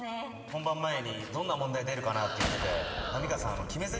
本番前にどんな問題出るかなって言ってて浪川さん。